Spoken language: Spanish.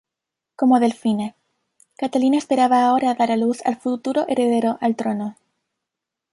Como delfina, Catalina esperaba ahora dar a luz al futuro heredero al trono.